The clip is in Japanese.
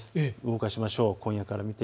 動かしましょう。